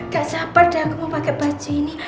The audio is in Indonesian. gak sabar dah aku mau pake baju ini